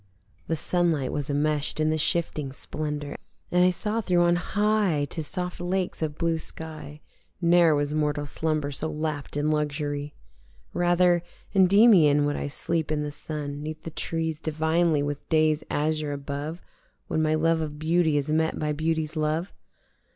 The sunlight was enmesh'd in the shifting splendour And I saw through on high to soft lakes of blue sky: Ne'er was mortal slumber so lapt in luxury. Rather Endymion would I sleep in the sun Neath the trees divinely with day's azure above When my love of Beauty is met by beauty's love.